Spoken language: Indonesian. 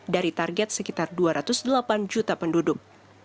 dari target sekitar dua ratus delapan juta penduduk